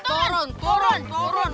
turun turun turun